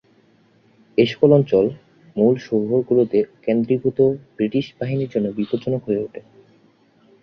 এসকল অঞ্চল মূল শহরগুলোতে কেন্দ্রীভূত ব্রিটিশ বাহিনীর জন্য বিপজ্জনক হয়ে উঠে।